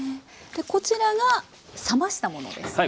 でこちらが冷ましたものですね。